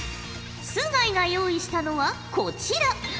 須貝が用意したのはこちら。